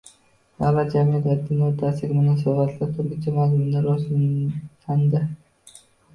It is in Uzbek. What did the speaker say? Davlat, jamiyat va din oʻrtasidagi munosabatlar turlicha mazmunda rivojlandi.